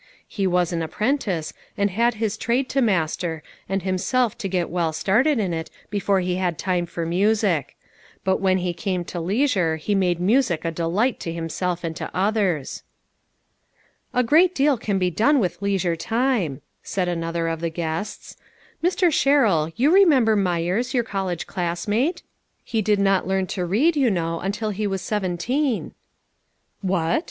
He was an apprentice, and had his trade to master, and himself to get well started in it before he had time for music ; but when he came to leis ure, he made music a delight to himself and to others." " A great deal can be done with leisure time," said another of the guests. " Mr. Sherrill, you remember Myers, your college classmate ? He did not learn to read, you know, until he was seventeen." "What?